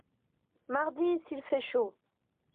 Mardi, s'il fait chaud!